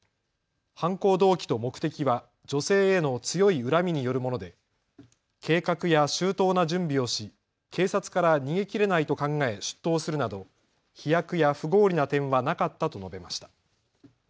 犯行動機と目的は女性への強い恨みによるもので計画や周到な準備をし警察から逃げきれないと考え出頭するなど飛躍や不合理な点はなかったと述べました。